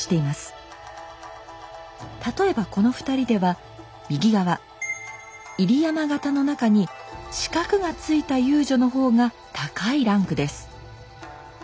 例えばこの２人では右側入山形の中に四角がついた遊女の方が高いランクです。